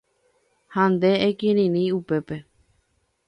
¡Ha nde ekirirĩ upépe!